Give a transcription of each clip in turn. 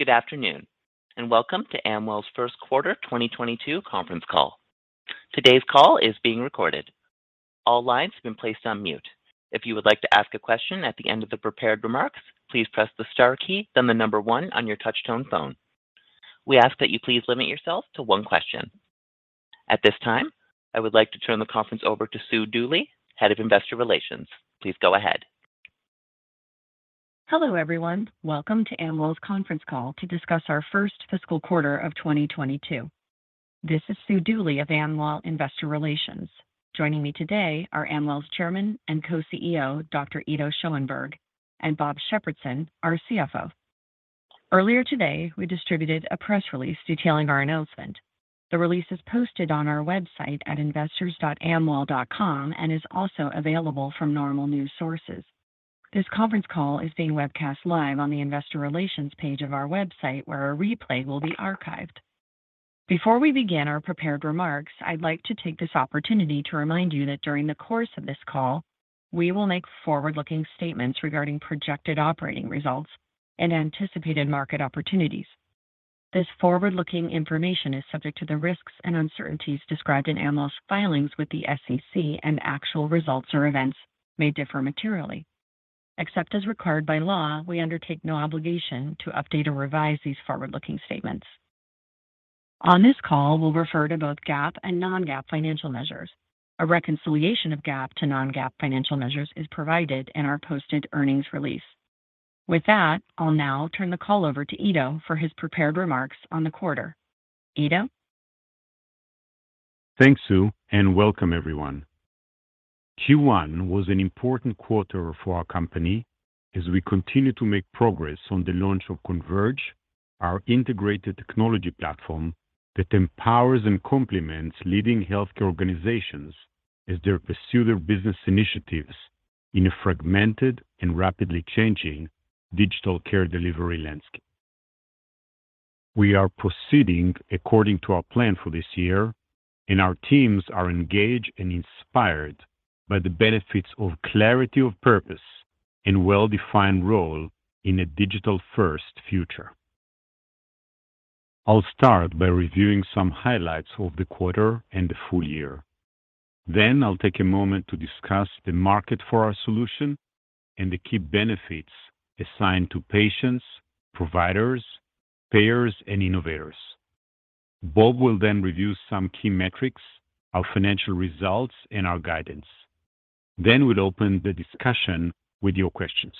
Good afternoon, and welcome to Amwell's First Quarter 2022 Conference Call. Today's call is being recorded. All lines have been placed on mute. If you would like to ask a question at the end of the prepared remarks, please press the star key, then the number 1 on your touch-tone phone. We ask that you please limit yourself to one question. At this time, I would like to turn the conference over to Sue Dooley, Head of Investor Relations. Please go ahead. Hello, everyone. Welcome to Amwell's Conference Call to Discuss our First Fiscal Quarter of 2022. This is Sue Dooley of Amwell Investor Relations. Joining me today are Amwell's Chairman and Co-CEO, Dr. Ido Schoenberg, and Bob Shepardson, our CFO. Earlier today, we distributed a press release detailing our announcement. The release is posted on our website at investors.amwell.com and is also available from normal news sources. This conference call is being webcast live on the investor relations page of our website, where a replay will be archived. Before we begin our prepared remarks, I'd like to take this opportunity to remind you that during the course of this call, we will make forward-looking statements regarding projected operating results and anticipated market opportunities. This forward-looking information is subject to the risks and uncertainties described in Amwell's filings with the SEC, and actual results or events may differ materially. Except as required by law, we undertake no obligation to update or revise these forward-looking statements. On this call, we'll refer to both GAAP and non-GAAP financial measures. A reconciliation of GAAP to non-GAAP financial measures is provided in our posted earnings release. With that, I'll now turn the call over to Ido for his prepared remarks on the quarter. Ido? Thanks, Sue, and welcome everyone. Q1 was an important quarter for our company as we continue to make progress on the launch of Converge, our integrated technology platform that empowers and complements leading healthcare organizations as they pursue their business initiatives in a fragmented and rapidly changing digital care delivery landscape. We are proceeding according to our plan for this year, and our teams are engaged and inspired by the benefits of clarity of purpose and well-defined role in a digital-first future. I'll start by reviewing some highlights of the quarter and the full year. Then I'll take a moment to discuss the market for our solution and the key benefits assigned to patients, providers, payers, and innovators. Bob will then review some key metrics, our financial results, and our guidance. Then we'll open the discussion with your questions.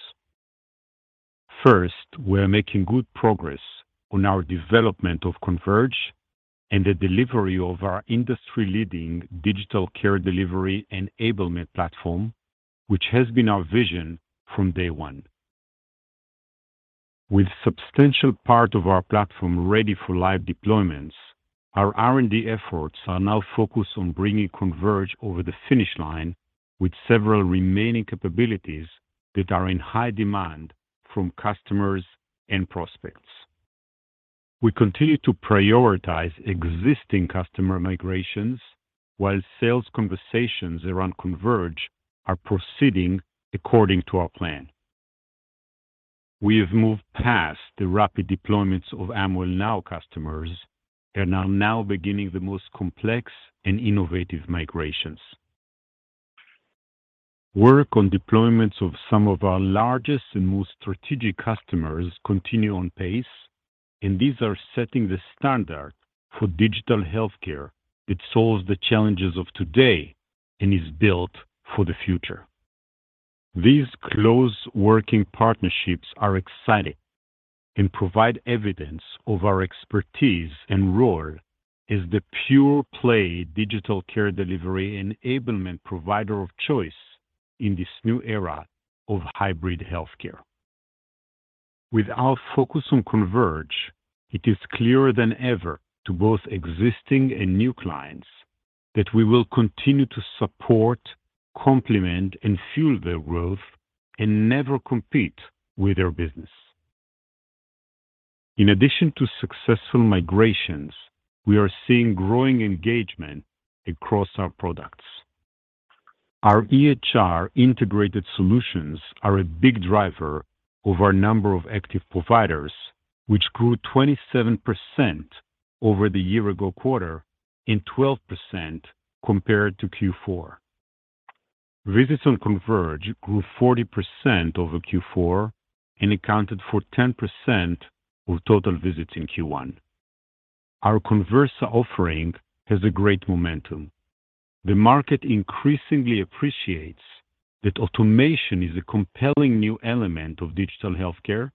First, we're making good progress on our development of Converge and the delivery of our industry-leading digital care delivery enablement platform, which has been our vision from day one. With substantial part of our platform ready for live deployments, our R&D efforts are now focused on bringing Converge over the finish line with several remaining capabilities that are in high demand from customers and prospects. We continue to prioritize existing customer migrations while sales conversations around Converge are proceeding according to our plan. We have moved past the rapid deployments of Amwell Now customers and are now beginning the most complex and innovative migrations. Work on deployments of some of our largest and most strategic customers continue on pace, and these are setting the standard for digital healthcare that solves the challenges of today and is built for the future. These close working partnerships are exciting and provide evidence of our expertise and role as the pure-play digital care delivery enablement provider of choice in this new era of hybrid healthcare. With our focus on Converge, it is clearer than ever to both existing and new clients that we will continue to support, complement, and fuel their growth and never compete with their business. In addition to successful migrations, we are seeing growing engagement across our products. Our EHR integrated solutions are a big driver of our number of active providers, which grew 27% over the year ago quarter and 12% compared to Q4. Visits on Converge grew 40% over Q4 and accounted for 10% of total visits in Q1. Our Conversa offering has a great momentum. The market increasingly appreciates that automation is a compelling new element of digital healthcare,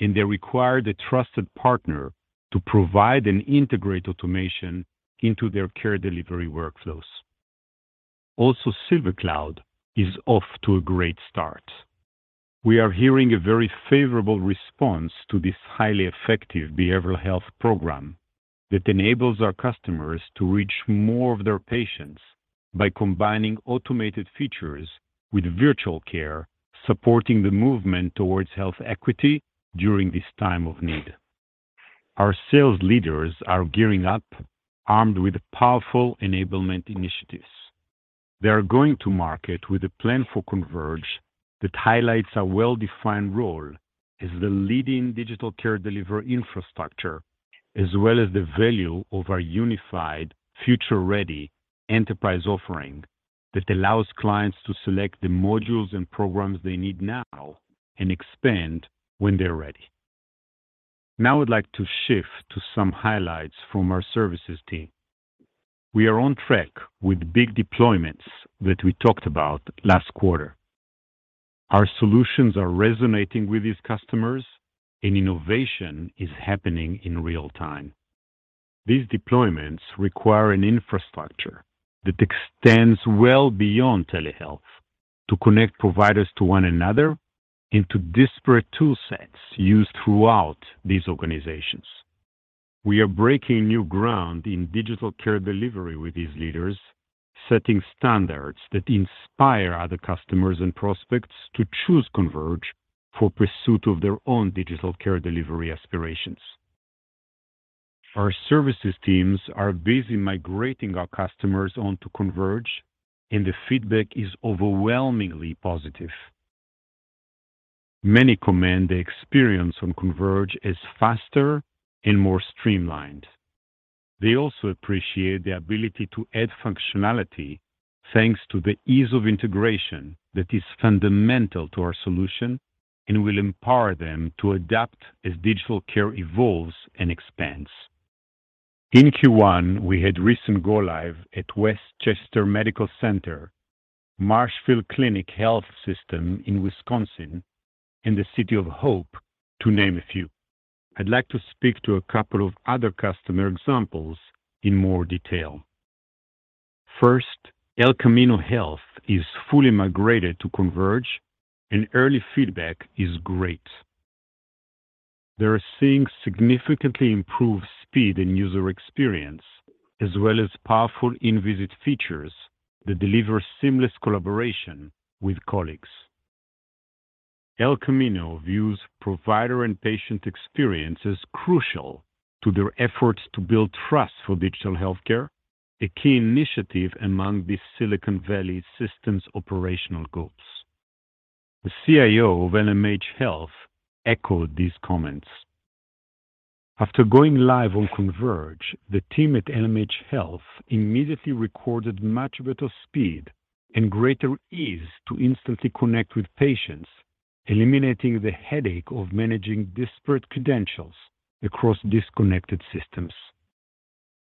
and they require the trusted partner to provide and integrate automation into their care delivery workflows. Also, SilverCloud is off to a great start. We are hearing a very favorable response to this highly effective behavioral health program that enables our customers to reach more of their patients by combining automated features with virtual care, supporting the movement towards health equity during this time of need. Our sales leaders are gearing up armed with powerful enablement initiatives. They are going to market with a plan for Converge that highlights a well-defined role as the leading digital care delivery infrastructure, as well as the value of our unified future-ready enterprise offering that allows clients to select the modules and programs they need now and expand when they're ready. Now I'd like to shift to some highlights from our services team. We are on track with big deployments that we talked about last quarter. Our solutions are resonating with these customers and innovation is happening in real time. These deployments require an infrastructure that extends well beyond telehealth to connect providers to one another into disparate tool sets used throughout these organizations. We are breaking new ground in digital care delivery with these leaders, setting standards that inspire other customers and prospects to choose Converge for pursuit of their own digital care delivery aspirations. Our services teams are busy migrating our customers onto Converge, and the feedback is overwhelmingly positive. Many commend the experience on Converge as faster and more streamlined. They also appreciate the ability to add functionality thanks to the ease of integration that is fundamental to our solution and will empower them to adapt as digital care evolves and expands. In Q1, we had recent go live at Westchester Medical Center, Marshfield Clinic Health System in Wisconsin, and the City of Hope to name a few. I'd like to speak to a couple of other customer examples in more detail. First, El Camino Health is fully migrated to Converge and early feedback is great. They are seeing significantly improved speed and user experience, as well as powerful in-visit features that deliver seamless collaboration with colleagues. El Camino views provider and patient experience as crucial to their efforts to build trust for digital healthcare, a key initiative among the Silicon Valley systems operational groups. The CIO of LMH Health echoed these comments. After going live on Converge, the team at LMH Health immediately recorded much better speed and greater ease to instantly connect with patients, eliminating the headache of managing disparate credentials across disconnected systems.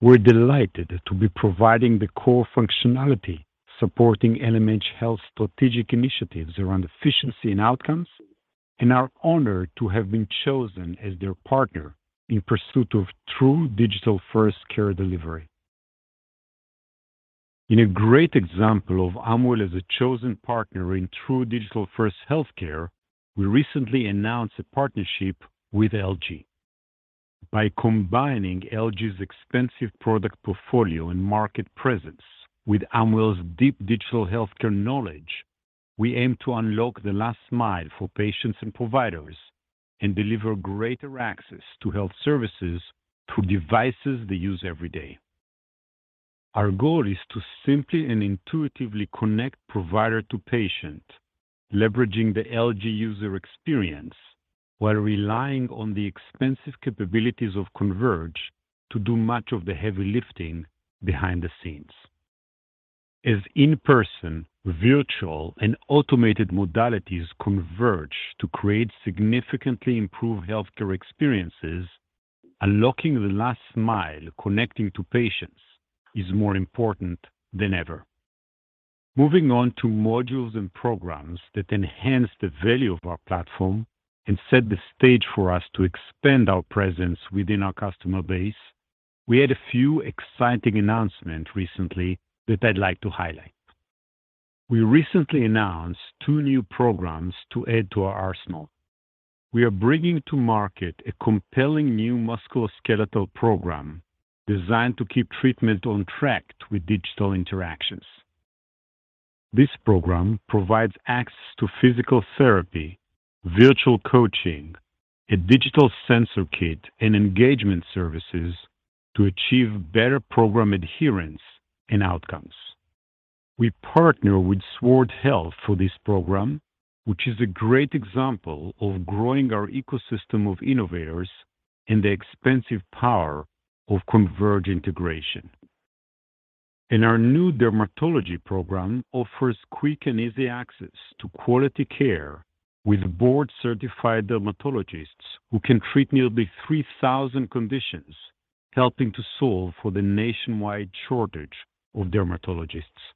We're delighted to be providing the core functionality supporting LMH Health strategic initiatives around efficiency and outcomes, and are honored to have been chosen as their partner in pursuit of true digital first care delivery. In a great example of Amwell as a chosen partner in true digital first healthcare, we recently announced a partnership with LG. By combining LG's extensive product portfolio and market presence with Amwell's deep digital healthcare knowledge, we aim to unlock the last mile for patients and providers and deliver greater access to health services through devices they use every day. Our goal is to simply and intuitively connect provider to patient, leveraging the LG user experience while relying on the extensive capabilities of Converge to do much of the heavy lifting behind the scenes. As in-person, virtual, and automated modalities converge to create significantly improved healthcare experiences, unlocking the last mile connecting to patients is more important than ever. Moving on to modules and programs that enhance the value of our platform and set the stage for us to expand our presence within our customer base, we had a few exciting announcement recently that I'd like to highlight. We recently announced two new programs to add to our arsenal. We are bringing to market a compelling new musculoskeletal program designed to keep treatment on track with digital interactions. This program provides access to physical therapy, virtual coaching, a digital sensor kit, and engagement services to achieve better program adherence and outcomes. We partner with Sword Health for this program, which is a great example of growing our ecosystem of innovators and the expansive power of Converge integration. Our new dermatology program offers quick and easy access to quality care with board-certified dermatologists who can treat nearly 3,000 conditions, helping to solve for the nationwide shortage of dermatologists.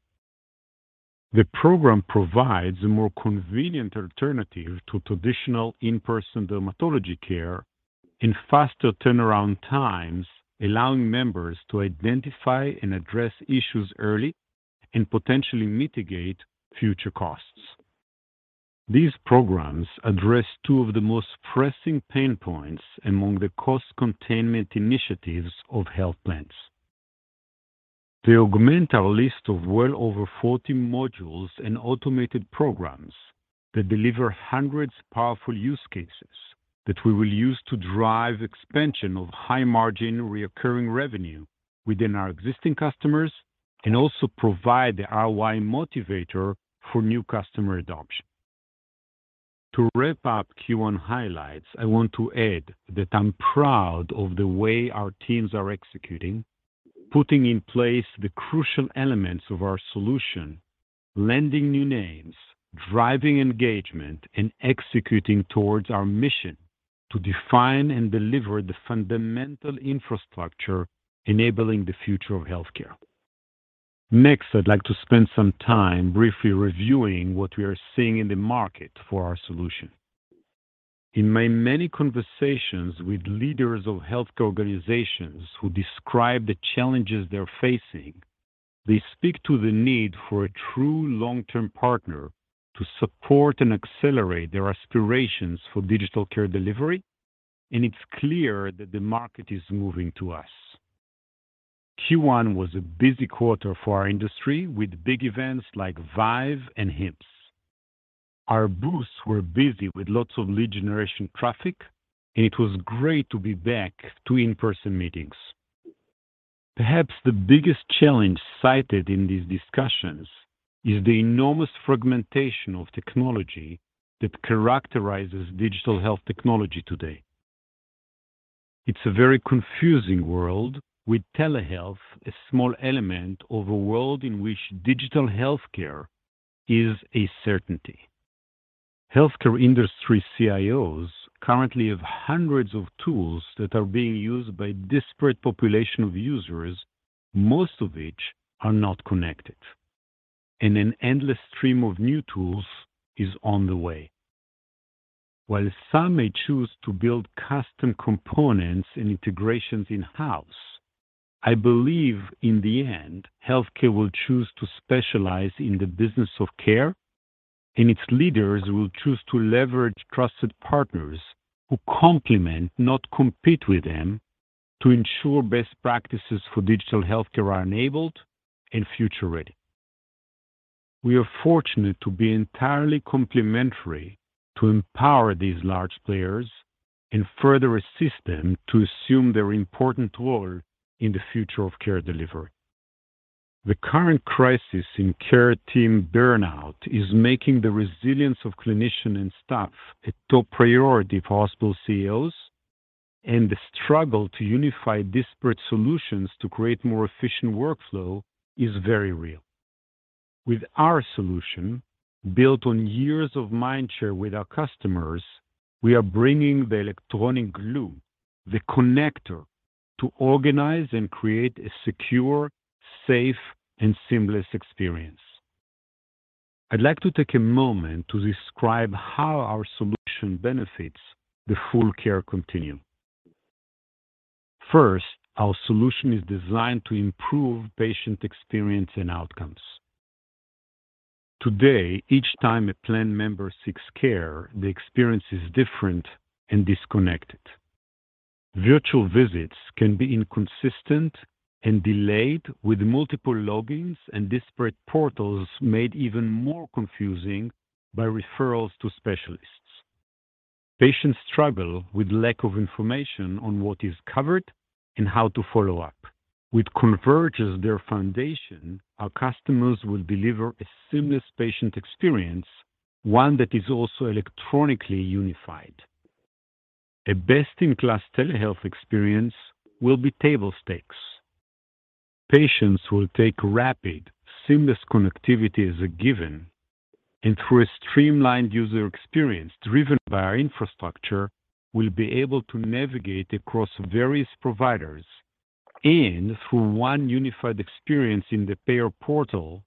The program provides a more convenient alternative to traditional in-person dermatology care and faster turnaround times, allowing members to identify and address issues early and potentially mitigate future costs. These programs address two of the most pressing pain points among the cost containment initiatives of health plans. They augment our list of well over 40 modules and automated programs that deliver hundreds of powerful use cases that we will use to drive expansion of high margin recurring revenue within our existing customers and also provide the ROI motivator for new customer adoption. To wrap up Q1 highlights, I want to add that I'm proud of the way our teams are executing, putting in place the crucial elements of our solution, landing new names, driving engagement, and executing towards our mission to define and deliver the fundamental infrastructure enabling the future of healthcare. Next, I'd like to spend some time briefly reviewing what we are seeing in the market for our solution. In my many conversations with leaders of healthcare organizations who describe the challenges they're facing, they speak to the need for a true long term partner to support and accelerate their aspirations for digital care delivery, and it's clear that the market is moving to us. Q1 was a busy quarter for our industry with big events like ViVE and HIMSS. Our booths were busy with lots of lead generation traffic, and it was great to be back to in-person meetings. Perhaps the biggest challenge cited in these discussions is the enormous fragmentation of technology that characterizes digital health technology today. It's a very confusing world, with telehealth a small element of a world in which digital healthcare is a certainty. Healthcare industry CIOs currently have hundreds of tools that are being used by disparate population of users, most of which are not connected, and an endless stream of new tools is on the way. While some may choose to build custom components and integrations in-house, I believe in the end, healthcare will choose to specialize in the business of care, and its leaders will choose to leverage trusted partners who complement, not compete with them, to ensure best practices for digital healthcare are enabled and future ready. We are fortunate to be entirely complementary to empower these large players and further assist them to assume their important role in the future of care delivery. The current crisis in care team burnout is making the resilience of clinician and staff a top priority for hospital CEOs, and the struggle to unify disparate solutions to create more efficient workflow is very real. With our solution, built on years of mindshare with our customers, we are bringing the electronic glue, the connector to organize and create a secure, safe and seamless experience. I'd like to take a moment to describe how our solution benefits the full care continuum. First, our solution is designed to improve patient experience and outcomes. Today, each time a plan member seeks care, the experience is different and disconnected. Virtual visits can be inconsistent and delayed with multiple logins and disparate portals made even more confusing by referrals to specialists. Patients struggle with lack of information on what is covered and how to follow up. With Converge as their foundation, our customers will deliver a seamless patient experience, one that is also electronically unified. A best in class telehealth experience will be table stakes. Patients will take rapid, seamless connectivity as a given, and through a streamlined user experience driven by our infrastructure, will be able to navigate across various providers and through one unified experience in the payer portal.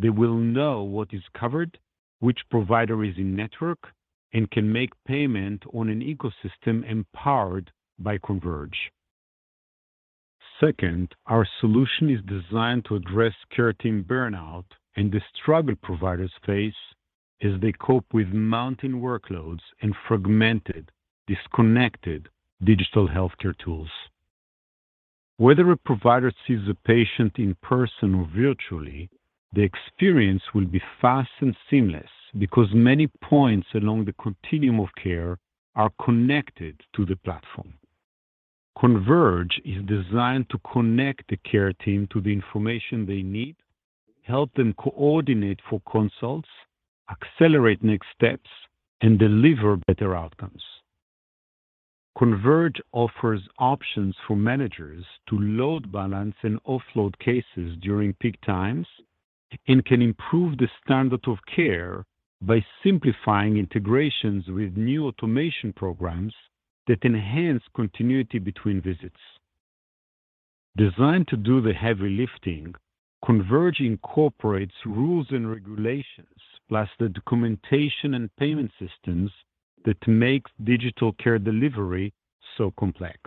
They will know what is covered, which provider is in network, and can make payment on an ecosystem empowered by Converge. Second, our solution is designed to address care team burnout and the struggle providers face as they cope with mounting workloads and fragmented, disconnected digital healthcare tools. Whether a provider sees a patient in person or virtually, the experience will be fast and seamless because many points along the continuum of care are connected to the platform. Converge is designed to connect the care team to the information they need, help them coordinate for consults, accelerate next steps, and deliver better outcomes. Converge offers options for managers to load balance and offload cases during peak times, and can improve the standard of care by simplifying integrations with new automation programs that enhance continuity between visits. Designed to do the heavy lifting, Converge incorporates rules and regulations plus the documentation and payment systems that make digital care delivery so complex.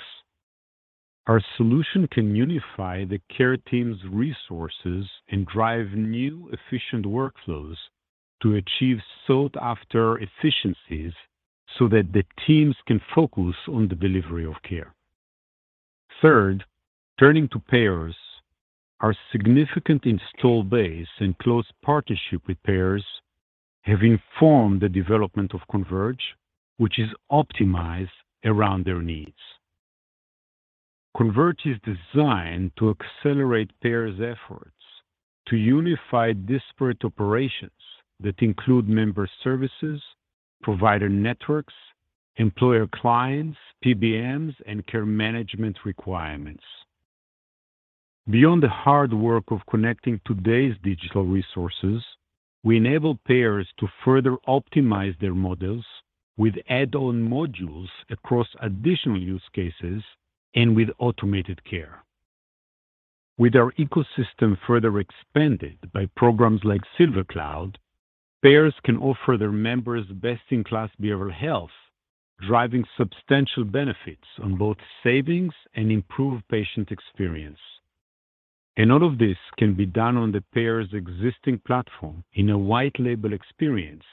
Our solution can unify the care team's resources and drive new efficient workflows to achieve sought after efficiencies so that the teams can focus on the delivery of care. Third, turning to payers. Our significant install base and close partnership with payers have informed the development of Converge, which is optimized around their needs. Converge is designed to accelerate payers' efforts to unify disparate operations that include member services, provider networks, employer clients, PBMs, and care management requirements. Beyond the hard work of connecting today's digital resources, we enable payers to further optimize their models with add-on modules across additional use cases and with automated care. With our ecosystem further expanded by programs like SilverCloud, payers can offer their members best-in-class behavioral health, driving substantial benefits on both savings and improved patient experience. All of this can be done on the payer's existing platform in a white label experience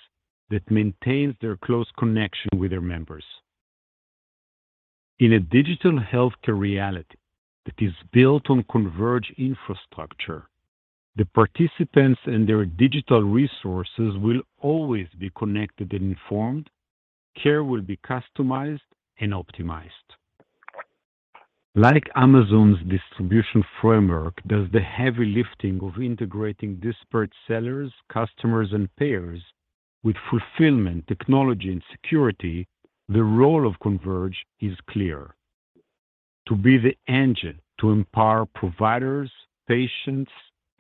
that maintains their close connection with their members. In a digital healthcare reality that is built on Converge infrastructure, the participants and their digital resources will always be connected and informed. Care will be customized and optimized. Like Amazon's distribution framework does the heavy lifting of integrating disparate sellers, customers, and payers with fulfillment, technology, and security, the role of Converge is clear: to be the engine to empower providers, patients,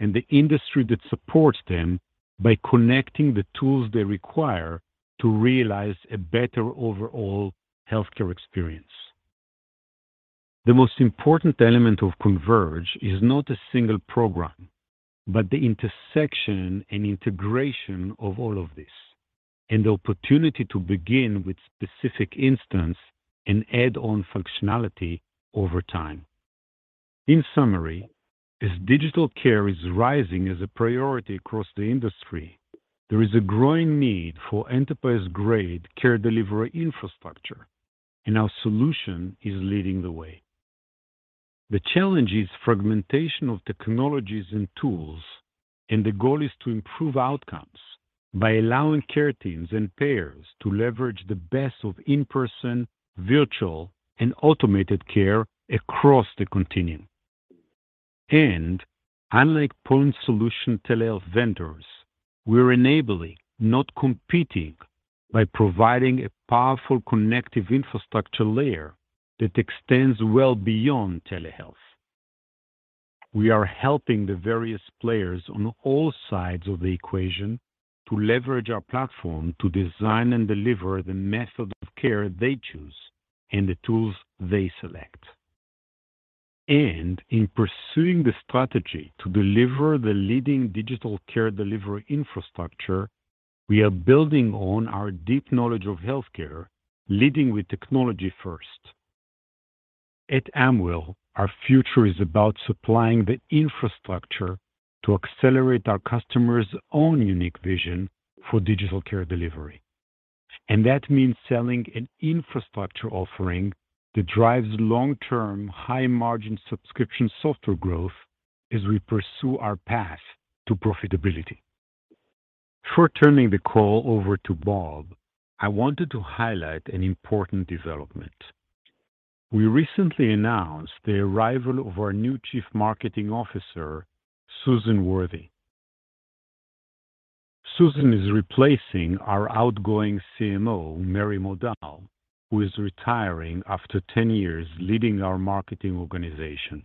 and the industry that supports them by connecting the tools they require to realize a better overall healthcare experience. The most important element of Converge is not a single program, but the intersection and integration of all of this, and the opportunity to begin with specific instance and add on functionality over time. In summary, as digital care is rising as a priority across the industry, there is a growing need for enterprise-grade care delivery infrastructure, and our solution is leading the way. The challenge is fragmentation of technologies and tools, and the goal is to improve outcomes by allowing care teams and payers to leverage the best of in-person, virtual, and automated care across the continuum. Unlike point solution telehealth vendors, we're enabling, not competing, by providing a powerful connective infrastructure layer that extends well beyond telehealth. We are helping the various players on all sides of the equation to leverage our platform to design and deliver the method of care they choose and the tools they select. In pursuing the strategy to deliver the leading digital care delivery infrastructure, we are building on our deep knowledge of healthcare, leading with technology first. At Amwell, our future is about supplying the infrastructure to accelerate our customers' own unique vision for digital care delivery. That means selling an infrastructure offering that drives long-term, high-margin subscription software growth as we pursue our path to profitability. Before turning the call over to Bob, I wanted to highlight an important development. We recently announced the arrival of our new Chief Marketing Officer, Susan Worthy. Susan is replacing our outgoing CMO, Mary Modahl, who is retiring after 10 years leading our marketing organization.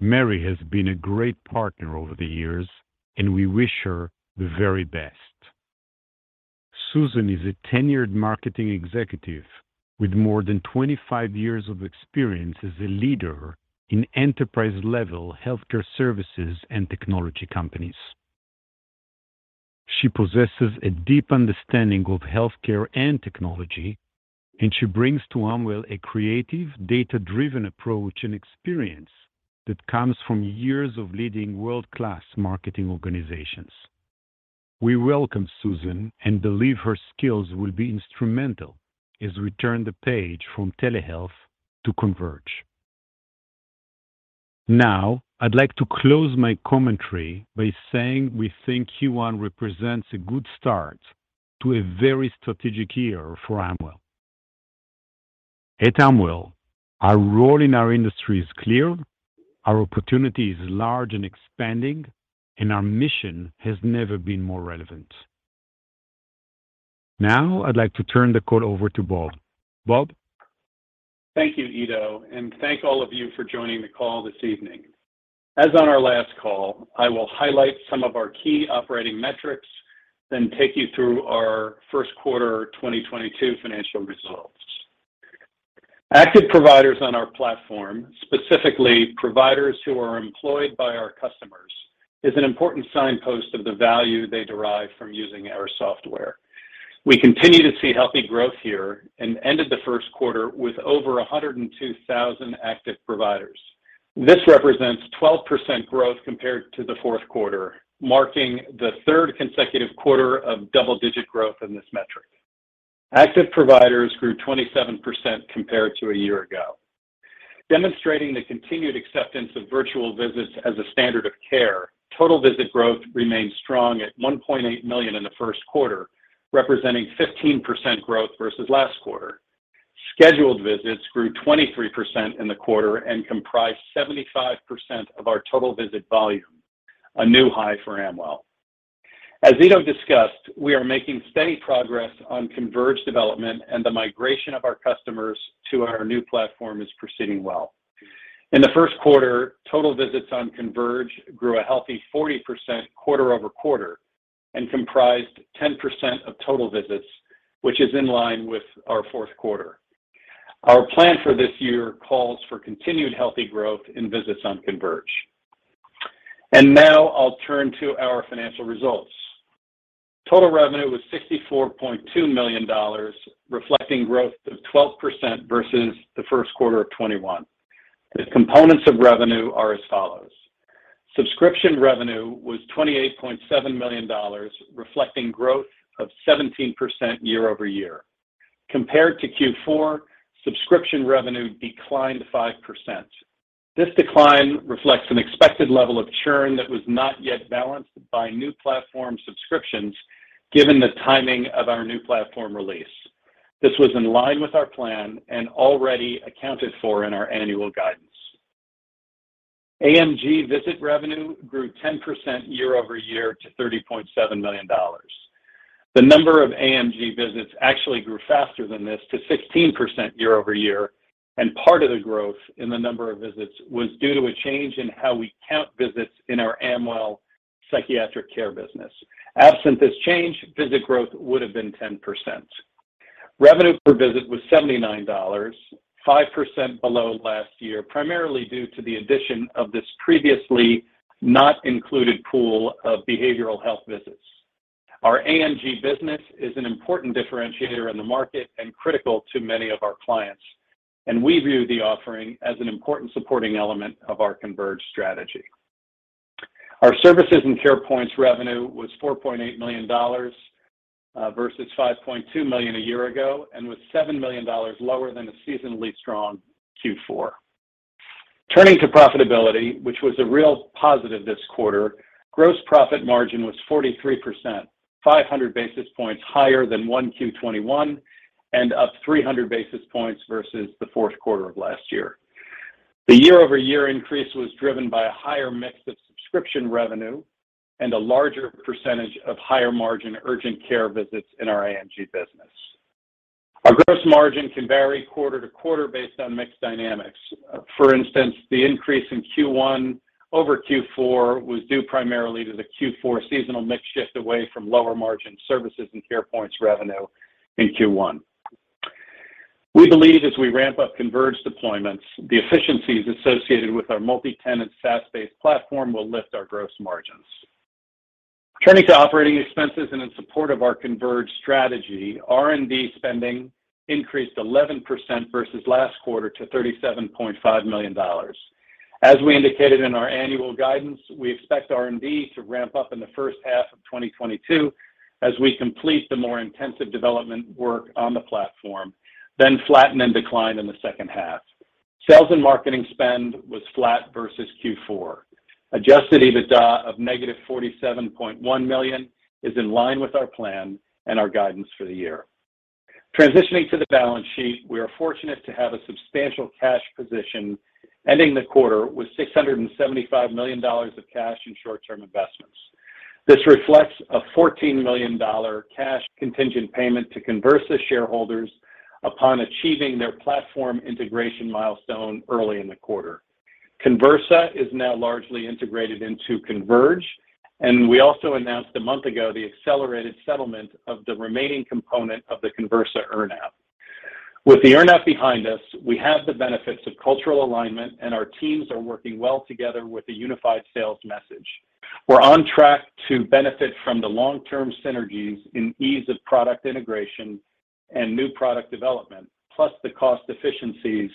Mary has been a great partner over the years, and we wish her the very best. Susan is a tenured marketing executive with more than 25 years of experience as a leader in enterprise-level healthcare services and technology companies. She possesses a deep understanding of healthcare and technology, and she brings to Amwell a creative, data-driven approach and experience that comes from years of leading world-class marketing organizations. We welcome Susan and believe her skills will be instrumental as we turn the page from telehealth to Converge. Now, I'd like to close my commentary by saying we think Q1 represents a good start to a very strategic year for Amwell. At Amwell, our role in our industry is clear, our opportunity is large and expanding, and our mission has never been more relevant. Now, I'd like to turn the call over to Bob. Bob? Thank you, Ido, and thank all of you for joining the call this evening. As on our last call, I will highlight some of our key operating metrics, then take you through our first quarter 2022 financial results. Active providers on our platform, specifically providers who are employed by our customers, is an important signpost of the value they derive from using our software. We continue to see healthy growth here and ended the first quarter with over 102,000 active providers. This represents 12% growth compared to the fourth quarter, marking the third consecutive quarter of double-digit growth in this metric. Active providers grew 27% compared to a year ago. Demonstrating the continued acceptance of virtual visits as a standard of care, total visit growth remained strong at 1.8 million in the first quarter, representing 15% growth versus last quarter. Scheduled visits grew 23% in the quarter and comprised 75% of our total visit volume, a new high for Amwell. As Ido discussed, we are making steady progress on Converge development and the migration of our customers to our new platform is proceeding well. In the first quarter, total visits on Converge grew a healthy 40% quarter-over-quarter and comprised 10% of total visits, which is in line with our fourth quarter. Our plan for this year calls for continued healthy growth in visits on Converge. Now I'll turn to our financial results. Total revenue was $64.2 million, reflecting growth of 12% versus the first quarter of 2021. The components of revenue are as follows. Subscription revenue was $28.7 million, reflecting growth of 17% year-over-year. Compared to Q4, subscription revenue declined 5%. This decline reflects an expected level of churn that was not yet balanced by new platform subscriptions given the timing of our new platform release. This was in line with our plan and already accounted for in our annual guidance. AMG visit revenue grew 10% year-over-year to $30.7 million. The number of AMG visits actually grew faster than this to 16% year-over-year, and part of the growth in the number of visits was due to a change in how we count visits in our Amwell Psychiatric Care business. Absent this change, visit growth would have been 10%. Revenue per visit was $79, 5% below last year, primarily due to the addition of this previously not included pool of behavioral health visits. Our AMG business is an important differentiator in the market and critical to many of our clients, and we view the offering as an important supporting element of our Converge strategy. Our services and Carepoint revenue was $4.8 million versus $5.2 million a year ago, and was $7 million lower than the seasonally strong Q4. Turning to profitability, which was a real positive this quarter, gross profit margin was 43%, 500 basis points higher than 1Q 2021, and up 300 basis points versus the fourth quarter of last year. The year-over-year increase was driven by a higher mix of subscription revenue and a larger percentage of higher margin urgent care visits in our AMG business. Our gross margin can vary quarter to quarter based on mix dynamics. For instance, the increase in Q1 over Q4 was due primarily to the Q4 seasonal mix shift away from lower margin services and Carepoint revenue in Q1. We believe as we ramp up Converge deployments, the efficiencies associated with our multi-tenant SaaS-based platform will lift our gross margins. Turning to operating expenses and in support of our Converge strategy, R&D spending increased 11% versus last quarter to $37.5 million. As we indicated in our annual guidance, we expect R&D to ramp up in the first half of 2022 as we complete the more intensive development work on the platform, then flatten and decline in the second half. Sales and marketing spend was flat versus Q4. Adjusted EBITDA of -$47.1 million is in line with our plan and our guidance for the year. Transitioning to the balance sheet, we are fortunate to have a substantial cash position ending the quarter with $675 million of cash and short-term investments. This reflects a $14 million cash contingent payment to Conversa shareholders upon achieving their platform integration milestone early in the quarter. Conversa is now largely integrated into Converge, and we also announced a month ago the accelerated settlement of the remaining component of the Conversa earn-out. With the earn-out behind us, we have the benefits of cultural alignment and our teams are working well together with a unified sales message. We're on track to benefit from the long-term synergies in ease of product integration and new product development, plus the cost efficiencies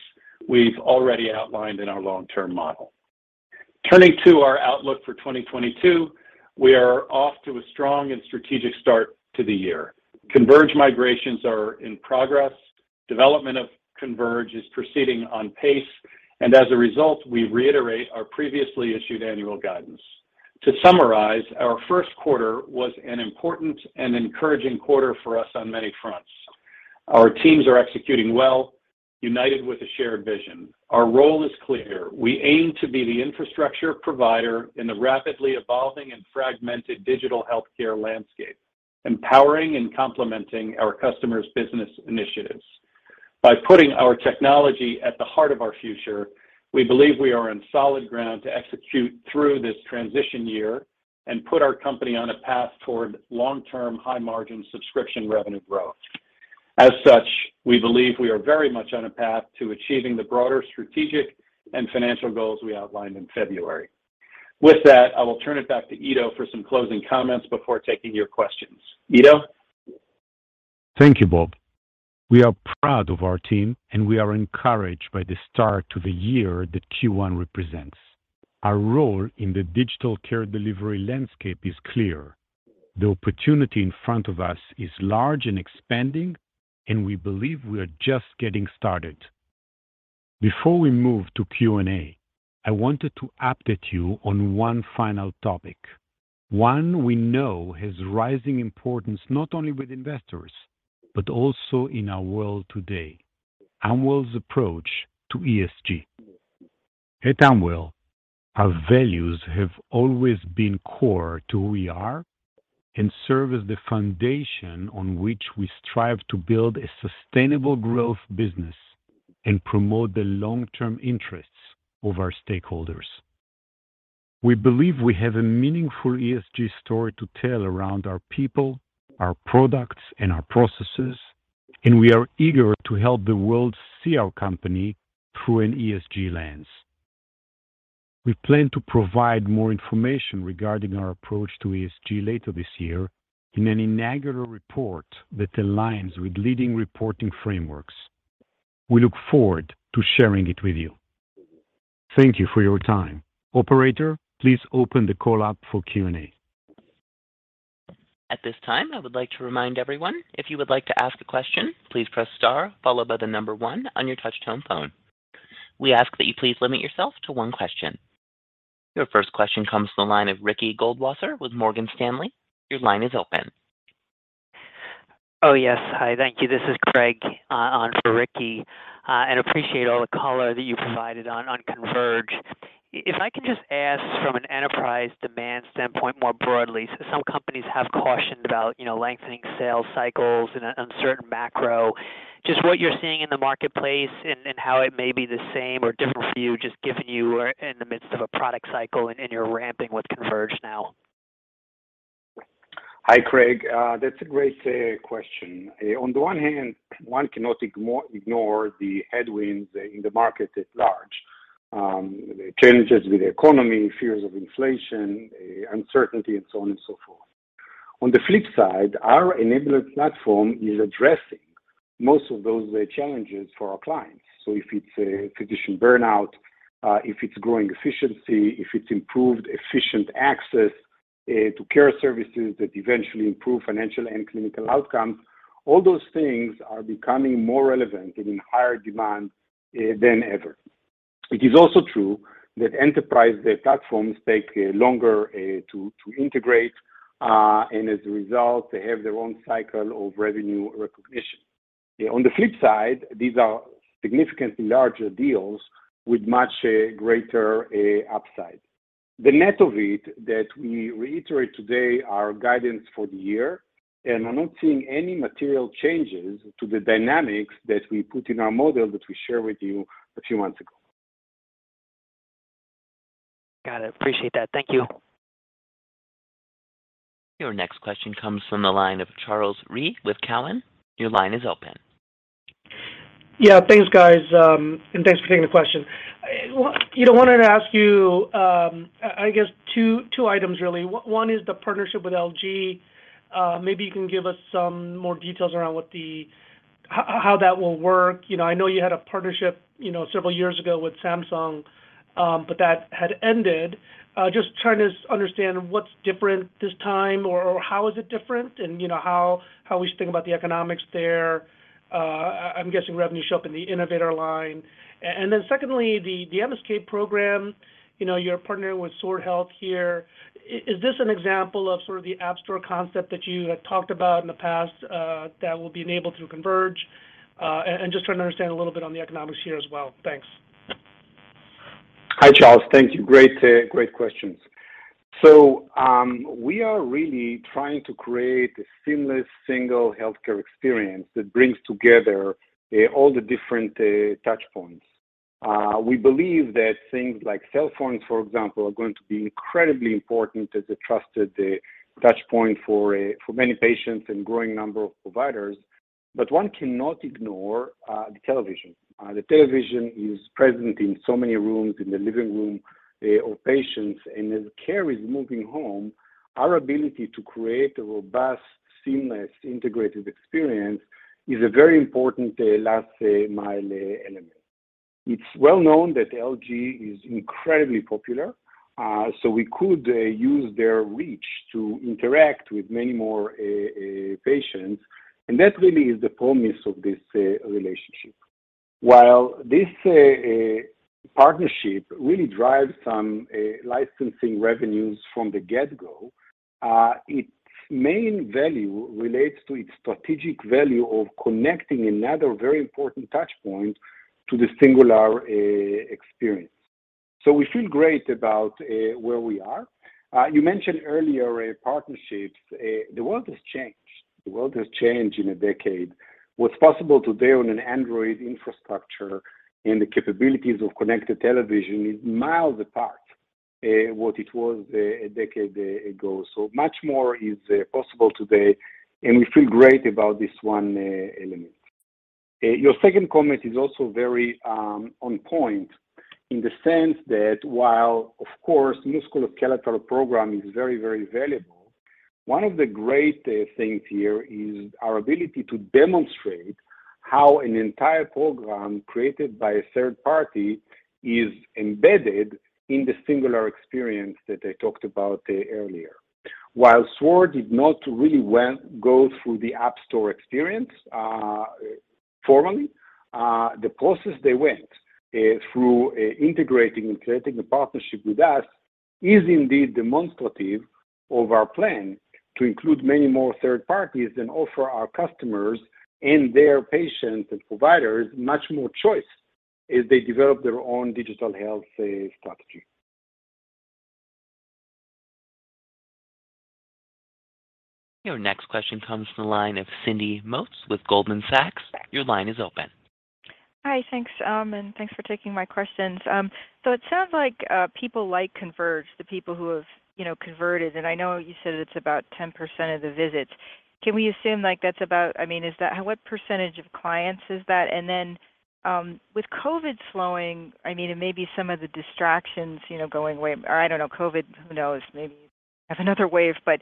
we've already outlined in our long-term model. Turning to our outlook for 2022, we are off to a strong and strategic start to the year. Converge migrations are in progress, development of Converge is proceeding on pace, and as a result, we reiterate our previously issued annual guidance. To summarize, our first quarter was an important and encouraging quarter for us on many fronts. Our teams are executing well, united with a shared vision. Our role is clear. We aim to be the infrastructure provider in the rapidly evolving and fragmented digital healthcare landscape, empowering and complementing our customers' business initiatives. By putting our technology at the heart of our future, we believe we are on solid ground to execute through this transition year and put our company on a path toward long-term, high-margin subscription revenue growth. As such, we believe we are very much on a path to achieving the broader strategic and financial goals we outlined in February. With that, I will turn it back to Ido for some closing comments before taking your questions. Ido? Thank you, Bob. We are proud of our team, and we are encouraged by the start to the year that Q1 represents. Our role in the digital care delivery landscape is clear. The opportunity in front of us is large and expanding, and we believe we are just getting started. Before we move to Q&A, I wanted to update you on one final topic. One we know has rising importance not only with investors, but also in our world today, Amwell's approach to ESG. At Amwell, our values have always been core to who we are and serve as the foundation on which we strive to build a sustainable growth business and promote the long-term interests of our stakeholders. We believe we have a meaningful ESG story to tell around our people, our products, and our processes, and we are eager to help the world see our company through an ESG lens. We plan to provide more information regarding our approach to ESG later this year in an inaugural report that aligns with leading reporting frameworks. We look forward to sharing it with you. Thank you for your time. Operator, please open the call up for Q&A. At this time, I would like to remind everyone, if you would like to ask a question, please press star followed by the number one on your touch-tone phone. We ask that you please limit yourself to one question. Your first question comes from the line of Ricky Goldwasser with Morgan Stanley. Your line is open. Oh, yes. Hi. Thank you. This is Craig on for Ricky and appreciate all the color that you provided on Converge. If I can just ask from an enterprise demand standpoint, more broadly, some companies have cautioned about, you know, lengthening sales cycles in an uncertain macro. Just what you're seeing in the marketplace and how it may be the same or different for you, just given you are in the midst of a product cycle and you're ramping with Converge now. Hi, Craig. That's a great question. On the one hand, one cannot ignore the headwinds in the market at large, challenges with the economy, fears of inflation, uncertainty, and so on and so forth. On the flip side, our enabling platform is addressing most of those challenges for our clients. If it's a physician burnout, if it's growing efficiency, if it's improved efficient access to care services that eventually improve financial and clinical outcomes, all those things are becoming more relevant and in higher demand than ever. It is also true that enterprise platforms take longer to integrate, and as a result, they have their own cycle of revenue recognition. On the flip side, these are significantly larger deals with much greater upside. The net of it is that we reiterate today our guidance for the year, and I'm not seeing any material changes to the dynamics that we put in our model that we shared with you a few months ago. Got it. Appreciate that. Thank you. Your next question comes from the line of Charles Rhyee with Cowen. Your line is open. Yeah, thanks, guys, and thanks for taking the question. You know, wanted to ask you, I guess two items really. One is the partnership with LG. Maybe you can give us some more details around what, how that will work. You know, I know you had a partnership, you know, several years ago with Samsung, but that had ended. Just trying to understand what's different this time or how is it different and, you know, how we should think about the economics there. I'm guessing revenue show up in the innovator line. And then secondly, the MSK program, you know, you're partnering with Sword Health here. Is this an example of sort of the app store concept that you had talked about in the past, that will be enabled through Converge? Just trying to understand a little bit on the economics here as well. Thanks. Hi, Charles. Thank you. Great questions. We are really trying to create a seamless single healthcare experience that brings together all the different touch points. We believe that things like cell phones, for example, are going to be incredibly important as a trusted touch point for many patients and growing number of providers, but one cannot ignore the television. The television is present in so many rooms, in the living room of patients. As care is moving home, our ability to create a robust, seamless, integrated experience is a very important last mile element. It's well known that LG is incredibly popular, so we could use their reach to interact with many more patients, and that really is the promise of this relationship. While this partnership really drives some licensing revenues from the get go, its main value relates to its strategic value of connecting another very important touch point to the singular experience. We feel great about where we are. You mentioned earlier partnerships. The world has changed in a decade. What's possible today on an Android infrastructure and the capabilities of connected television is miles apart what it was a decade ago. Much more is possible today, and we feel great about this one element. Your second comment is also very on point in the sense that while, of course, musculoskeletal program is very, very valuable. One of the great things here is our ability to demonstrate how an entire program created by a third party is embedded in the singular experience that I talked about earlier. While Sword Health did not go through the App Store experience formally, the process they went through integrating and creating a partnership with us is indeed demonstrative of our plan to include many more third parties and offer our customers and their patients and providers much more choice as they develop their own digital health strategy. Your next question comes from the line of Cindy Motz with Goldman Sachs. Your line is open. Hi. Thanks, and thanks for taking my questions. It sounds like people like Converge, the people who have, you know, converted, and I know you said it's about 10% of the visits. Can we assume, like, that's about. I mean, is that what percentage of clients is that? With COVID slowing, I mean, and maybe some of the distractions, you know, going away, or, I don't know, COVID, who knows, maybe we have another wave, but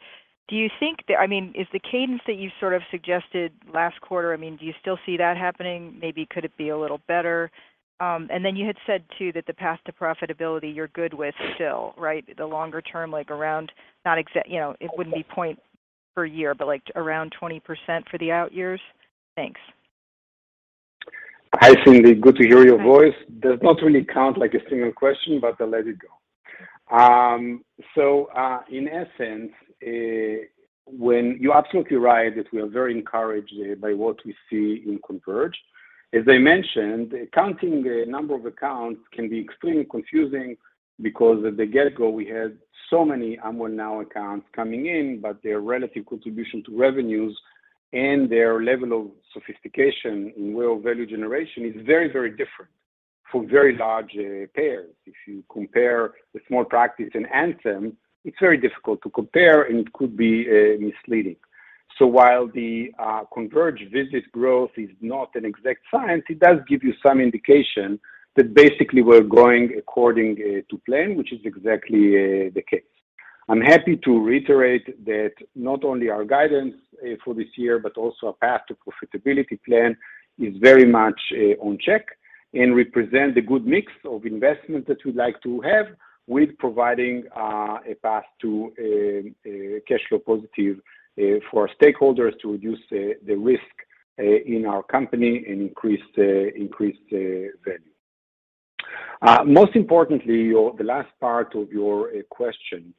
do you think the. I mean, is the cadence that you sort of suggested last quarter, I mean, do you still see that happening? Maybe could it be a little better? You had said too that the path to profitability you're good with still, right? The longer term, like around, you know, it wouldn't be a point per year, but, like, around 20% for the out years. Thanks. Hi, Cindy. Good to hear your voice. Does not really count like a single question, but I'll let it go. You're absolutely right that we are very encouraged by what we see in Converge. As I mentioned, counting the number of accounts can be extremely confusing because at the get-go we had so many Amwell Now accounts coming in, but their relative contribution to revenues and their level of sophistication in real value generation is very, very different for very large payers. If you compare a small practice and Anthem, it's very difficult to compare, and it could be misleading. While the Converge business growth is not an exact science, it does give you some indication that basically we're growing according to plan, which is exactly the case. I'm happy to reiterate that not only our guidance for this year, but also our path to profitability plan is very much on track and represents the good mix of investment that we'd like to have with providing a path to cash flow positive for stakeholders to reduce the risk in our company and increase value. Most importantly, the last part of your question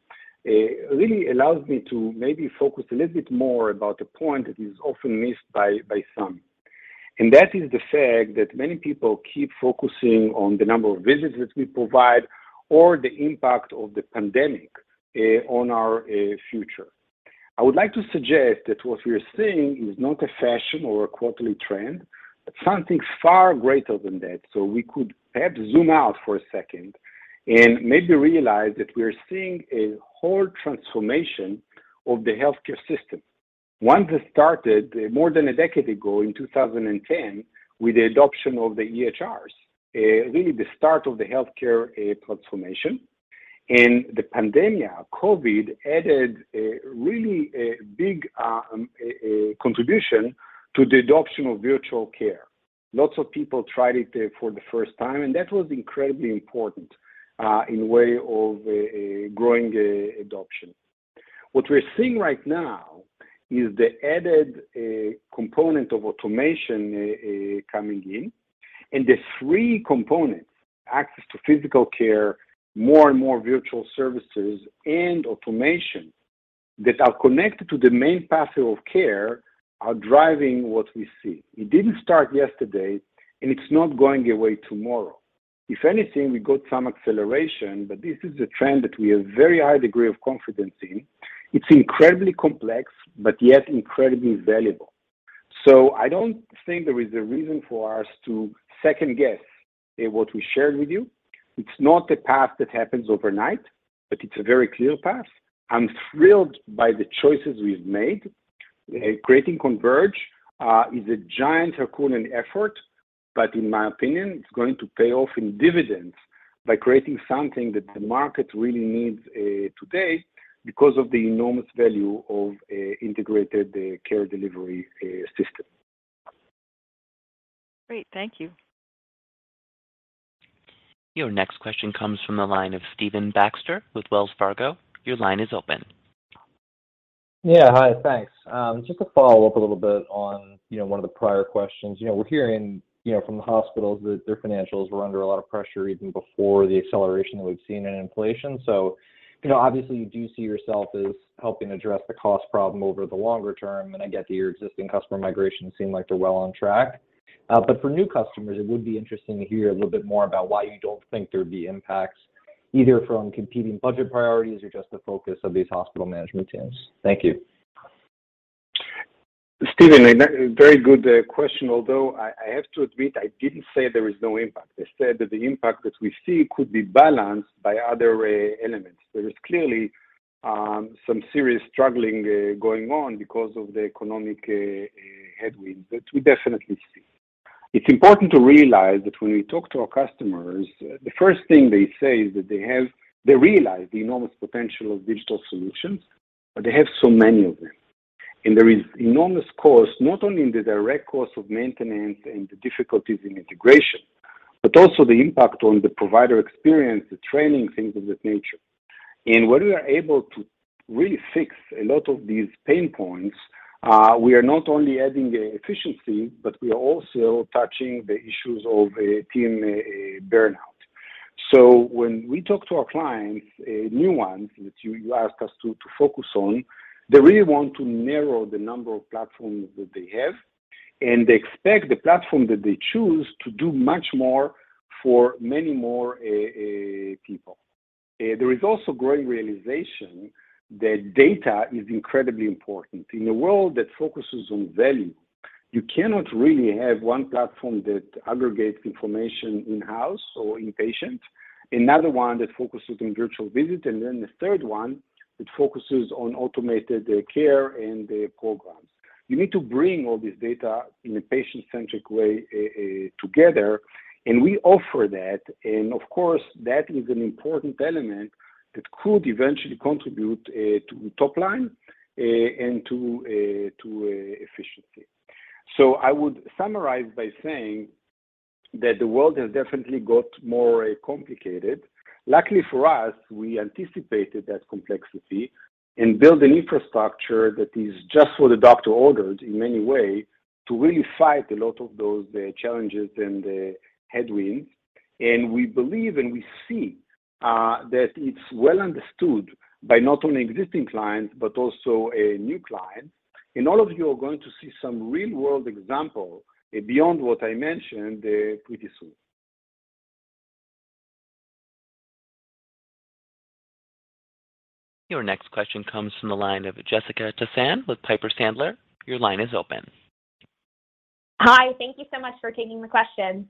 really allows me to maybe focus a little bit more about a point that is often missed by some, and that is the fact that many people keep focusing on the number of visits that we provide or the impact of the pandemic on our future. I would like to suggest that what we're seeing is not a fashion or a quarterly trend, but something far greater than that. We could perhaps zoom out for a second and maybe realize that we're seeing a whole transformation of the healthcare system. One that started more than a decade ago in 2010 with the adoption of the EHRs, really the start of the healthcare transformation. The pandemic, COVID, added a really big contribution to the adoption of virtual care. Lots of people tried it for the first time, and that was incredibly important in the way of growing adoption. What we're seeing right now is the added component of automation coming in, and the three components, access to physical care, more and more virtual services and automation that are connected to the main pathway of care are driving what we see. It didn't start yesterday, and it's not going away tomorrow. If anything, we got some acceleration, but this is a trend that we have very high degree of confidence in. It's incredibly complex, but yet incredibly valuable. I don't think there is a reason for us to second-guess what we shared with you. It's not a path that happens overnight, but it's a very clear path. I'm thrilled by the choices we've made. Creating Converge is a giant Herculean effort, but in my opinion, it's going to pay off in dividends by creating something that the market really needs today because of the enormous value of a integrated care delivery system. Great. Thank you. Your next question comes from the line of Stephen Baxter with Wells Fargo. Your line is open. Yeah. Hi. Thanks. Just to follow up a little bit on, you know, one of the prior questions. You know, we're hearing, you know, from the hospitals that their financials were under a lot of pressure even before the acceleration that we've seen in inflation. You know, obviously you do see yourself as helping address the cost problem over the longer term, and I get that your existing customer migrations seem like they're well on track. For new customers, it would be interesting to hear a little bit more about why you don't think there'd be impacts either from competing budget priorities or just the focus of these hospital management teams. Thank you. Steven, very good question, although I have to admit I didn't say there is no impact. I said that the impact that we see could be balanced by other elements. There is clearly some serious struggling going on because of the economic headwinds, but we definitely see. It's important to realize that when we talk to our customers, the first thing they say is that they have, they realize the enormous potential of digital solutions, but they have so many of them. There is enormous cost, not only in the direct cost of maintenance and the difficulties in integration, but also the impact on the provider experience, the training, things of that nature. When we are able to really fix a lot of these pain points, we are not only adding efficiency, but we are also touching the issues of team burnout. When we talk to our clients, new ones that you ask us to focus on, they really want to narrow the number of platforms that they have, and they expect the platform that they choose to do much more for many more people. There is also growing realization that data is incredibly important. In a world that focuses on value, you cannot really have one platform that aggregates information in-house or inpatient, another one that focuses on virtual visit, and then the third one that focuses on automated care and programs. You need to bring all this data in a patient-centric way together, and we offer that. Of course, that is an important element that could eventually contribute to top line and to efficiency. I would summarize by saying that the world has definitely got more complicated. Luckily for us, we anticipated that complexity and build an infrastructure that is just what the doctor ordered in many way to really fight a lot of those challenges and the headwinds. We believe and we see that it's well understood by not only existing clients, but also a new client. All of you are going to see some real-world example beyond what I mentioned pretty soon. Your next question comes from the line of Jessica Tassan with Piper Sandler. Your line is open. Hi. Thank you so much for taking the question.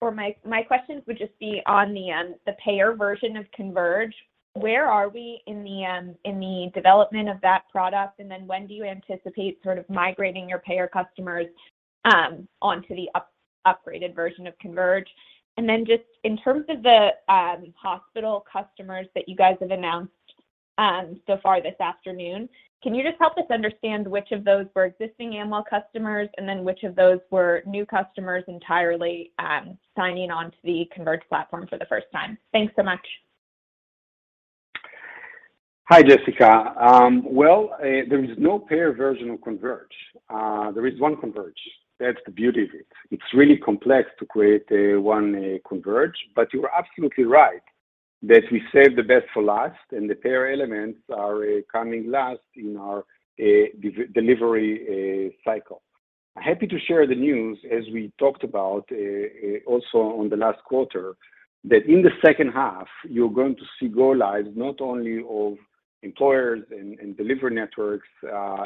So I think my questions would just be on the payer version of Converge. Where are we in the development of that product? And then when do you anticipate sort of migrating your payer customers onto the upgraded version of Converge? And then just in terms of the hospital customers that you guys have announced so far this afternoon, can you just help us understand which of those were existing Amwell customers and then which of those were new customers entirely signing on to the Converge platform for the first time? Thanks so much. Hi, Jessica. Well, there is no payer version of Converge. There is one Converge. That's the beauty of it. It's really complex to create one Converge, but you're absolutely right that we saved the best for last, and the payer elements are coming last in our delivery cycle. Happy to share the news as we talked about, also on the last quarter, that in the second half you're going to see go live not only of employers and delivery networks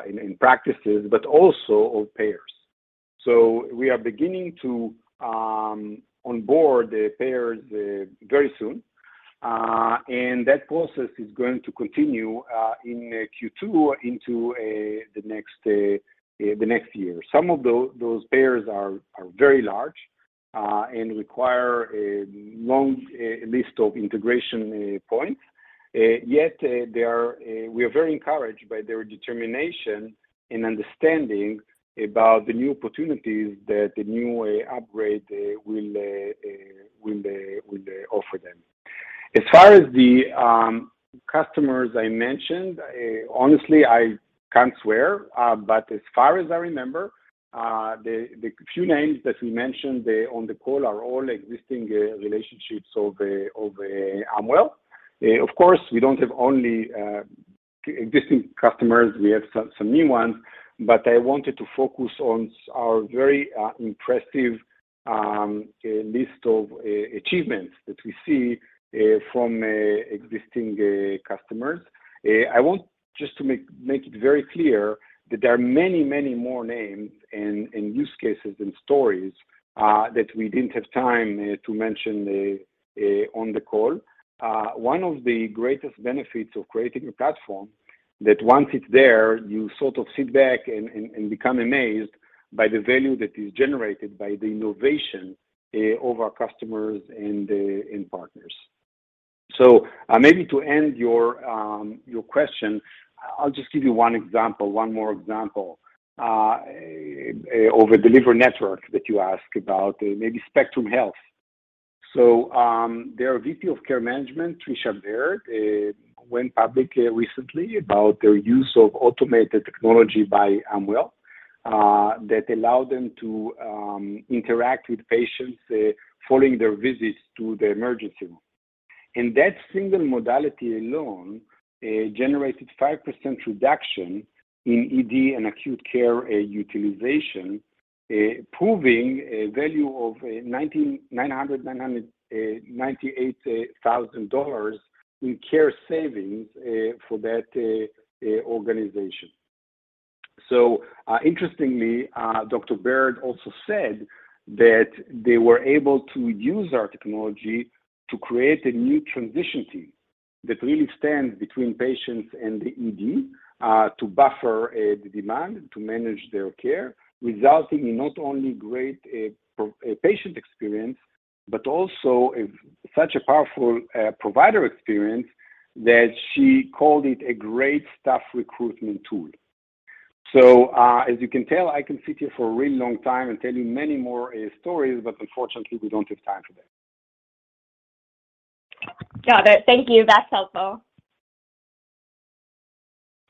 and practices, but also of payers. We are beginning to onboard the payers very soon, and that process is going to continue in Q2 into the next year. Some of those payers are very large and require a long list of integration points. We are very encouraged by their determination in understanding about the new opportunities that the new upgrade will offer them. As far as the customers I mentioned, honestly, I can't swear, but as far as I remember, the few names that we mentioned on the call are all existing relationships of Amwell. Of course, we don't have only existing customers. We have some new ones, but I wanted to focus on our very impressive list of achievements that we see from existing customers. I want just to make it very clear that there are many more names and use cases and stories that we didn't have time to mention on the call. One of the greatest benefits of creating a platform that once it's there, you sort of sit back and become amazed by the value that is generated by the innovation of our customers and partners. Maybe to end your question, I'll just give you one more example of a delivery network that you ask about, maybe Spectrum Health. Their VP of Care Management, Tricia Baird, went public recently about their use of automated technology by Amwell that allowed them to interact with patients following their visits to the emergency room, and that single modality alone generated 5% reduction in ED and acute care utilization, proving a value of $998,000 in care savings for that organization. Interestingly, Dr. Baird also said that they were able to use our technology to create a new transition team. That really stands between patients and the ED, to buffer, the demand, to manage their care, resulting in not only great patient experience, but also such a powerful, provider experience that she called it a great staff recruitment tool. As you can tell, I can sit here for a really long time and tell you many more stories, but unfortunately, we don't have time for that. Got it. Thank you. That's helpful.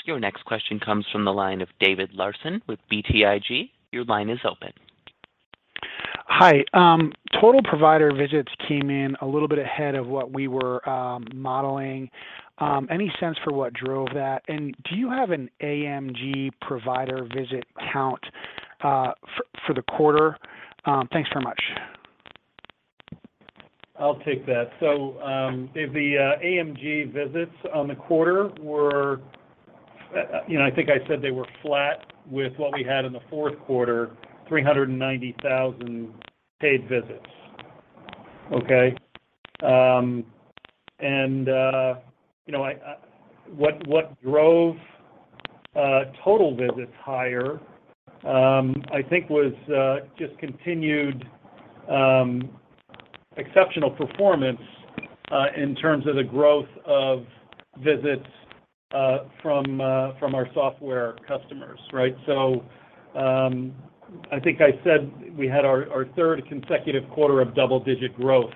Your next question comes from the line of David Larsen with BTIG. Your line is open. Hi. Total provider visits came in a little bit ahead of what we were modeling. Any sense for what drove that? Do you have an AMG provider visit count for the quarter? Thanks very much. I'll take that. The AMG visits on the quarter were, you know, I think I said they were flat with what we had in the fourth quarter, 390,000 paid visits. Okay? You know, what drove total visits higher, I think was just continued exceptional performance in terms of the growth of visits from our software customers, right? I think I said we had our third consecutive quarter of double-digit growth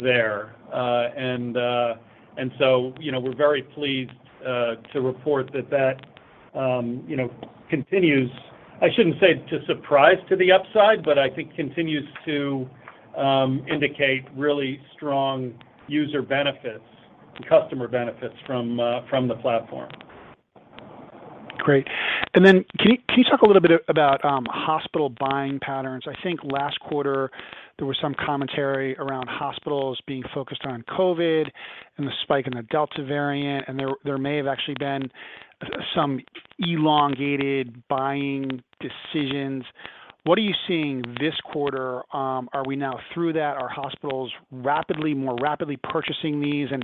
there. You know, we're very pleased to report that continues, I shouldn't say to surprise to the upside, but I think continues to indicate really strong user benefits, customer benefits from the platform. Great. Can you talk a little bit about hospital buying patterns? I think last quarter, there was some commentary around hospitals being focused on COVID and the spike in the Delta variant, and there may have actually been some elongated buying decisions. What are you seeing this quarter? Are we now through that? Are hospitals more rapidly purchasing these? Do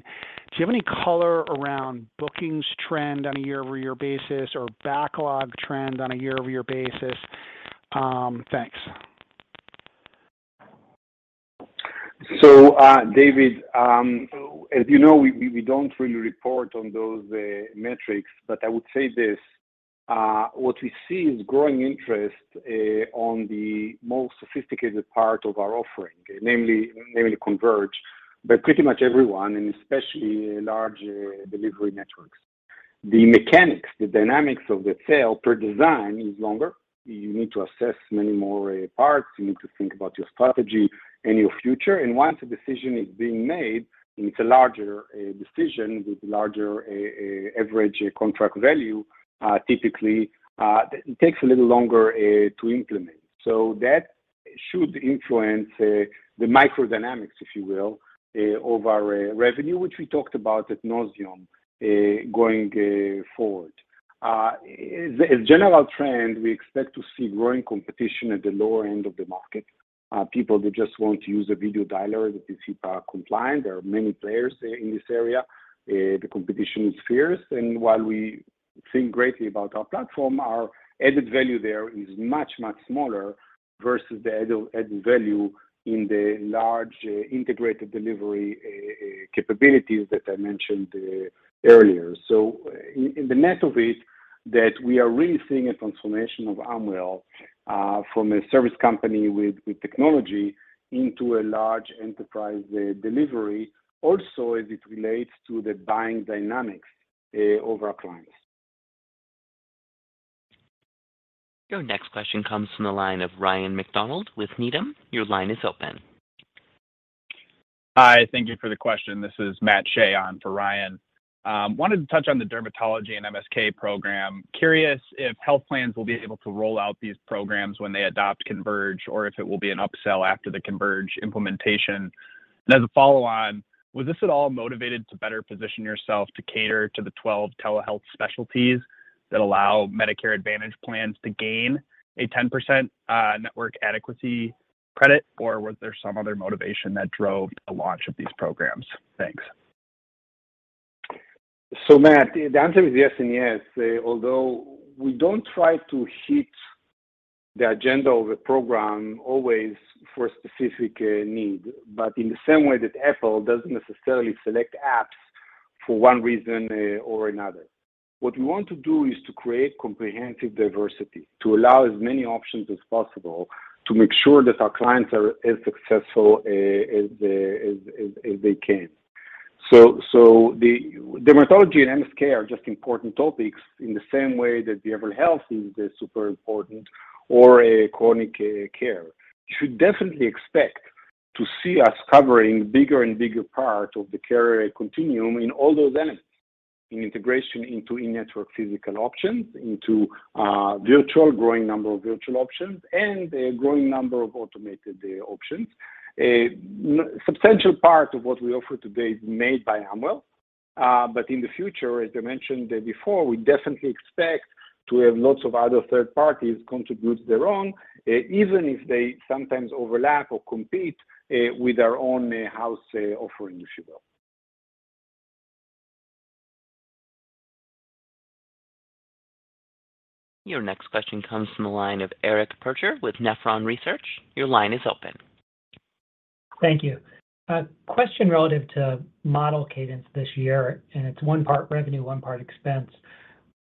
you have any color around bookings trend on a year-over-year basis or backlog trend on a year-over-year basis? Thanks. David, as you know, we don't really report on those metrics, but I would say this. What we see is growing interest on the most sophisticated part of our offering, namely Converge, but pretty much everyone, and especially large delivery networks. The mechanics, the dynamics of the sales cycle by design is longer. You need to assess many more parts. You need to think about your strategy and your future. Once a decision is being made, and it's a larger decision with larger average contract value, typically it takes a little longer to implement. That should influence the microdynamics, if you will, of our revenue, which we talked about ad nauseam, going forward. As a general trend, we expect to see growing competition at the lower end of the market. People that just want to use a video dialer that is HIPAA compliant. There are many players in this area. The competition is fierce. While we think greatly about our platform, our added value there is much smaller versus the added value in the large integrated delivery capabilities that I mentioned earlier. In the net of it, we are really seeing a transformation of Amwell from a service company with technology into a large enterprise delivery also as it relates to the buying dynamics of our clients. Your next question comes from the line of Ryan MacDonald with Needham. Your line is open. Hi. Thank you for the question. This is Matt Shea on for Ryan. Wanted to touch on the dermatology and MSK program. Curious if health plans will be able to roll out these programs when they adopt Converge, or if it will be an upsell after the Converge implementation. As a follow on, was this at all motivated to better position yourself to cater to the 12 telehealth specialties that allow Medicare Advantage plans to gain a 10% network adequacy credit, or was there some other motivation that drove the launch of these programs? Thanks. Matt, the answer is yes and yes. Although we don't try to hit the agenda of a program always for a specific need. In the same way that Apple doesn't necessarily select apps for one reason or another. What we want to do is to create comprehensive diversity, to allow as many options as possible to make sure that our clients are as successful as they can. The dermatology and MSK are just important topics in the same way that behavioral health is super important or chronic care. You should definitely expect to see us covering bigger and bigger part of the care continuum in all those elements, in integration into in-network physical options, into virtual, growing number of virtual options, and a growing number of automated options. A substantial part of what we offer today is made by Amwell. In the future, as I mentioned before, we definitely expect to have lots of other third parties contribute their own, even if they sometimes overlap or compete with our own house offering as well. Your next question comes from the line of Eric Percher with Nephron Research. Your line is open. Thank you. A question relative to model cadence this year, and it's one part revenue, one part expense.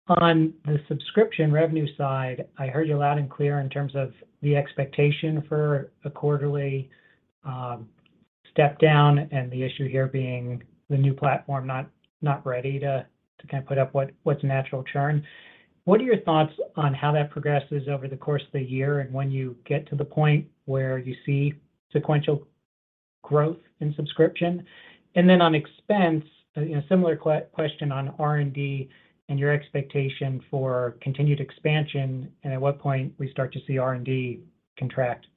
On the subscription revenue side, I heard you loud and clear in terms of the expectation for a quarterly step-down, and the issue here being the new platform not ready to kind of put up what's natural churn. What are your thoughts on how that progresses over the course of the year, and when you get to the point where you see sequential growth in subscription? On expense, you know, similar question on R&D and your expectation for continued expansion, and at what point we start to see R&D contract.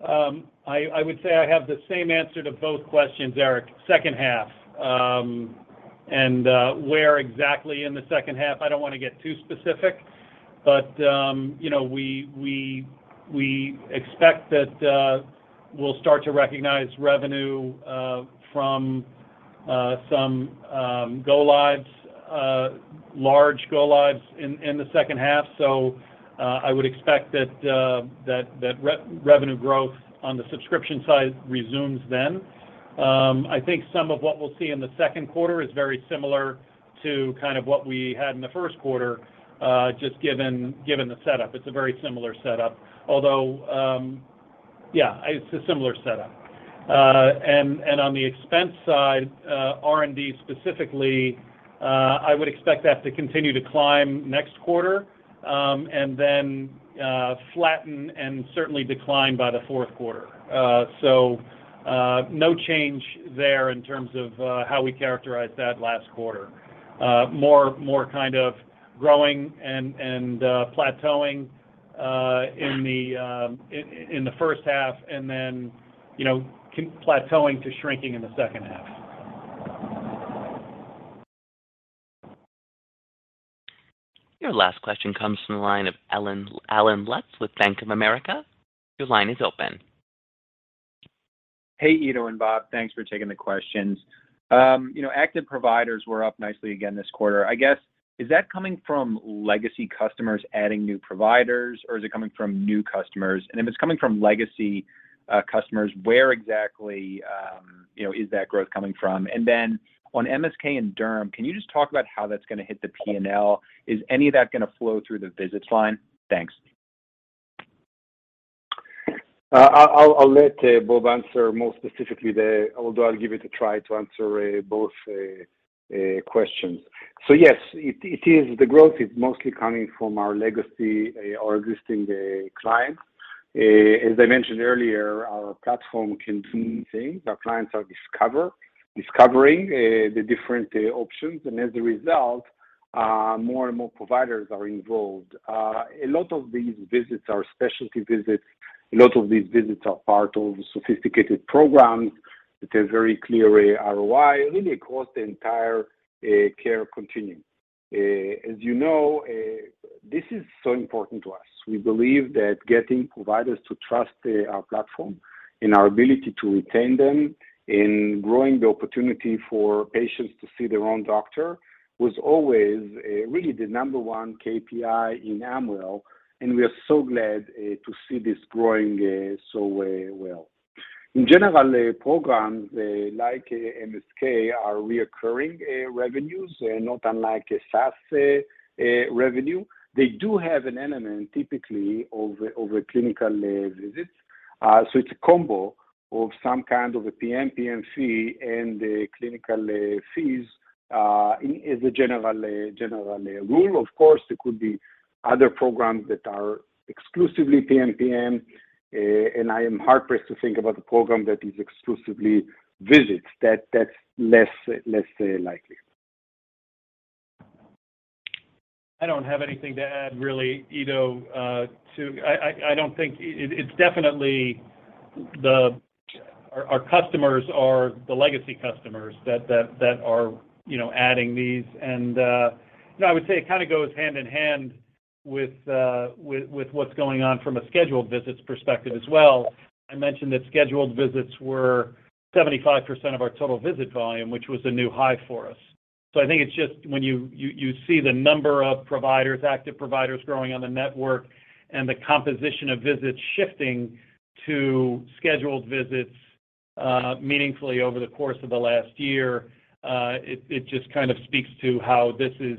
I would say I have the same answer to both questions, Eric. Second half. Where exactly in the second half, I don't wanna get too specific, but you know, we expect that we'll start to recognize revenue from some go lives, large go lives in the second half. I would expect that revenue growth on the subscription side resumes then. I think some of what we'll see in the second quarter is very similar to kind of what we had in the first quarter, just given the setup. It's a very similar setup, although yeah, it's a similar setup. On the expense side, R&D specifically, I would expect that to continue to climb next quarter, and then flatten and certainly decline by the fourth quarter. No change there in terms of how we characterized that last quarter. More kind of growing and plateauing in the first half and then, you know, plateauing to shrinking in the second half. Your last question comes from the line of Allen Lutz with Bank of America. Your line is open. Hey, Ido and Bob. Thanks for taking the questions. You know, active providers were up nicely again this quarter. I guess, is that coming from legacy customers adding new providers, or is it coming from new customers? If it's coming from legacy customers, where exactly, you know, is that growth coming from? On MSK and Derm, can you just talk about how that's gonna hit the P&L? Is any of that gonna flow through the visits line? Thanks. I'll let Bob answer more specifically there, although I'll give it a try to answer both questions. The growth is mostly coming from our legacy or existing clients. As I mentioned earlier, our platform can do many things. Our clients are discovering the different options, and as a result, more and more providers are involved. A lot of these visits are specialty visits. A lot of these visits are part of sophisticated programs that are very clear ROI, really across the entire care continuum. As you know, this is so important to us. We believe that getting providers to trust our platform and our ability to retain them in growing the opportunity for patients to see their own doctor was always really the number one KPI in Amwell, and we are so glad to see this growing so well. In general, programs like MSK are recurring revenues not unlike a SaaS revenue. They do have an element typically of a clinical visit. It's a combo of some kind of a PMPM fee and a clinical fees is a general rule. Of course, there could be other programs that are exclusively PMPM, and I am hard-pressed to think about the program that is exclusively visits. That's less likely. I don't have anything to add really, Ido. It's definitely our customers, the legacy customers that are, you know, adding these. You know, I would say it kinda goes hand in hand with what's going on from a scheduled visits perspective as well. I mentioned that scheduled visits were 75% of our total visit volume, which was a new high for us. I think it's just when you see the number of providers, active providers growing on the network and the composition of visits shifting to scheduled visits, meaningfully over the course of the last year, it just kind of speaks to how this is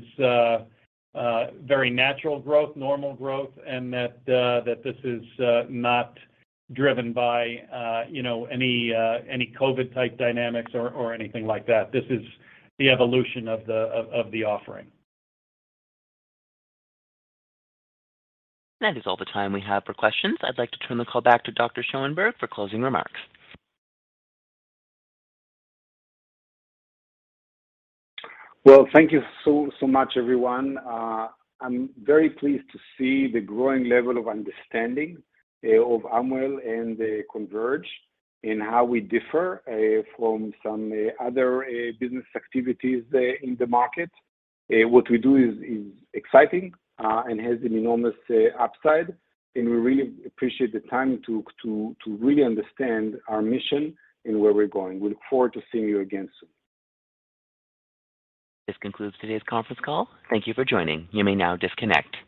very natural growth, normal growth, and that this is not driven by, you know, any COVID-type dynamics or anything like that. This is the evolution of the offering. That is all the time we have for questions. I'd like to turn the call back to Dr. Schoenberg for closing remarks. Well, thank you so much, everyone. I'm very pleased to see the growing level of understanding of Amwell and Converge, and how we differ from some other business activities in the market. What we do is exciting and has an enormous upside, and we really appreciate the time to really understand our mission and where we're going. We look forward to seeing you again soon. This concludes today's conference call. Thank you for joining. You may now disconnect.